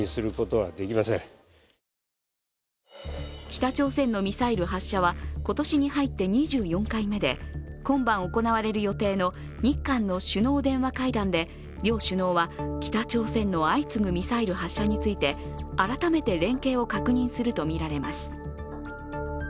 北朝鮮のミサイル発射は今年に入って２４回目で今晩行われる予定の日韓の首脳電話会談で両首脳は北朝鮮の相次ぐミサイル発射について改めて連携を確認するとみられます。